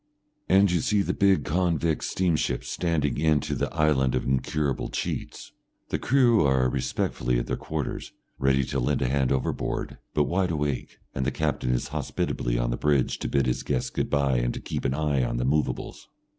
And you see the big convict steamship standing in to the Island of Incurable Cheats. The crew are respectfully at their quarters, ready to lend a hand overboard, but wide awake, and the captain is hospitably on the bridge to bid his guests good bye and keep an eye on the movables.